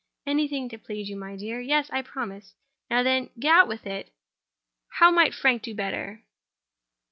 "Anything to please you, my dear. Yes: I promise. Now, then, out with it! How might Frank do better?"